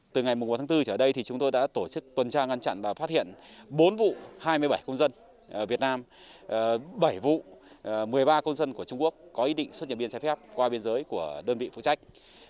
từ ngày một tháng bốn trở đây thì chúng tôi đã tổ chức tuần tra ngăn chặn và phát hiện bốn vụ hai mươi bảy công dân việt nam bảy vụ một mươi ba công dân của trung quốc có ý định xuất nhập biên trái phép qua biên giới của đơn vị phụ trách